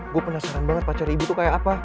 gue penasaran banget pacar ibu tuh kayak apa